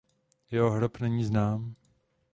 Jeho hrob není znám.